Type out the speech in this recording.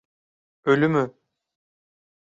Ölümü…